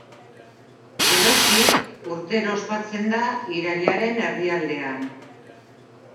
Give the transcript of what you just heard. Geroztik, urtero ospatzen da irailaren erdialdean.